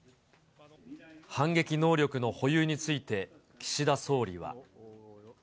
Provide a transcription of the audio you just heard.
反撃能力の保有について、岸田総理は。